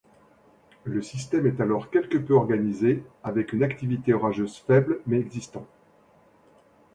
Le système est alors quelque peu organisé, avec une activité orageuse faible mais existant.